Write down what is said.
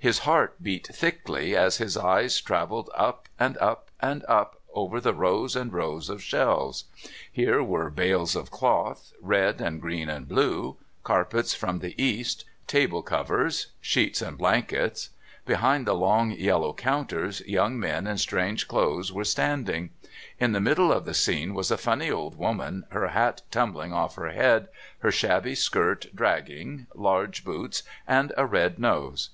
His heart beat thickly as his eyes travelled up and up and up over the rows and rows of shelves; here were bales of cloth, red and green and blue; carpets from the East, table covers, sheets and blankets. Behind the long yellow counters young men in strange clothes were standing. In the middle of the scene was a funny old woman, her hat tumbling off her head, her shabby skirt dragging, large boots, and a red nose.